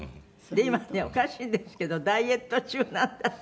今ねおかしいんですけどダイエット中なんだって。